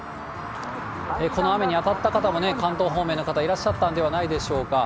この雨に当たった方もね、関東方面の方、いらっしゃったんではないでしょうか。